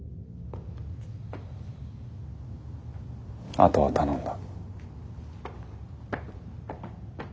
あとは頼んだ。